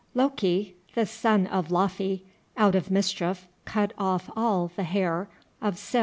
Loki, the son of Laufey, out of mischief cut off all the hair of Sif.